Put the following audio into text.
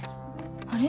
あれ？